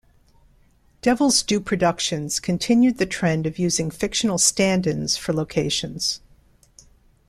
Devil's Due Productions continued the trend of using fictional stand-ins for locations.